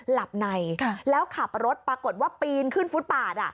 หลับในแล้วขับรถปรากฏว่าปีนขึ้นฟุตปาด